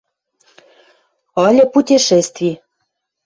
Ыльы путешестви!..